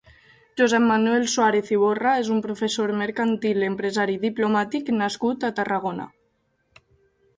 Josep Manuel Suàrez Iborra és un professor mercantil, empresari i diplomàtic nascut a Tarragona.